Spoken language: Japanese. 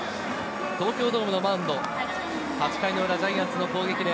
東京ドームのマウンド、８回の裏、ジャイアンツの攻撃で